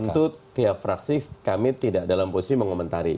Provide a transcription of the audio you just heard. tentu tiap fraksi kami tidak dalam posisi mengomentari